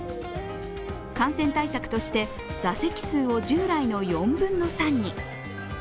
感染対策として座席数を従来の４分の３に。